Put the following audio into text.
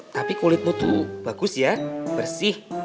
tapi kulitmu tuh bagus ya bersih